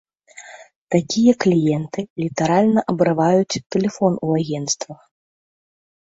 Такія кліенты літаральна абрываюць тэлефон у агенцтвах.